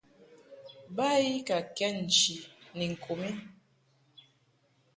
Ba I ka kɛd nchi ni ŋku mi.